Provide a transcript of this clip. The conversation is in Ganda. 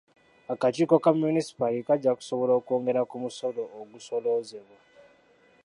Akakiiko ka Munisipaali kajja kusobola okwongera ku musolo ogusooloozebwa.